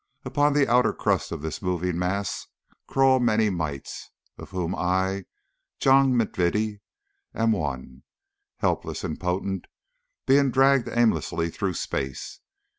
Upon the outer crust of this moving mass crawl many mites, of whom I, John M'Vittie, am one, helpless, impotent, being dragged aimlessly through space.